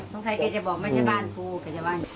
สงสัยเขาจะบอกไม่ใช่บ้านตัวเขาจะว่า